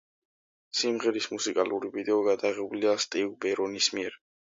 სიმღერის მუსიკალური ვიდეო გადაღებულია სტივ ბერონის მიერ.